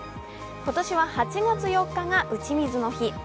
今年は８月４日が打ち水の日。